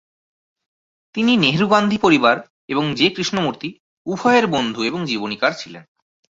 তিনি নেহরু-গান্ধী পরিবার এবং জে কৃষ্ণমূর্তি, উভয়ের বন্ধু এবং জীবনীকার ছিলেন।